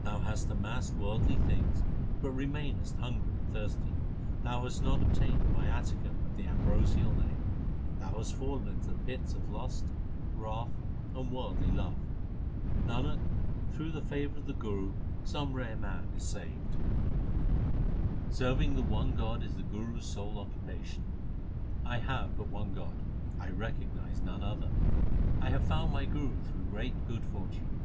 Thou hast amassed worldly things but remainest hungry and thirsty. Thou hast not obtained the viaticum of the ambrosial Name. Thou hast fallen into the pits of lust, wrath, and worldly love. Nanak, through the favour of the Guru some rare man is saved. 1 Thou hast committed many sins. SIKH. Ill C C 386 THE SIKH RELIGION Serving the one God is the Guru s sole occupa tion : I have but one God ; I recognize none other. I have found my Guru through great good fortune.